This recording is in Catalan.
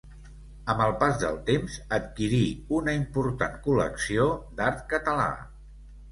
Amb el pas del temps adquirí una important col·lecció d'art català.